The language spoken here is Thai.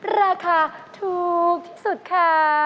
ราคาถูกที่สุดค่ะ